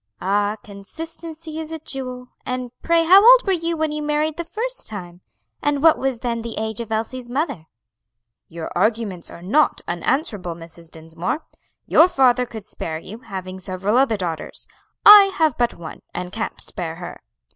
"Ah, consistency is a jewel! and pray how old were you when you married the first time? and what was then the age of Elsie's mother?" "Your arguments are not unanswerable, Mrs. Dinsmore. Your father could spare you, having several other daughters; I have but one, and can't spare her.